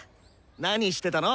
何してたの？